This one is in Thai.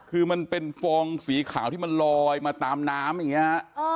คือมันเป็นฟองสีขาวที่มันลอยมาตามน้ำอย่างนี้ฮะ